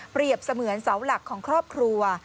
เสมือนเสาหลักของครอบครัว